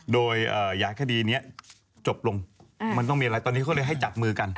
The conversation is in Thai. โดยอยากให้คดีนี้จบลงมันต้องมีอะไรตอนนี้เขาเลยให้จับมือกัน